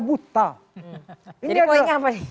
buta jadi poinnya apa nih